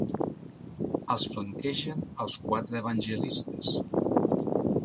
Els flanquegen els Quatre Evangelistes.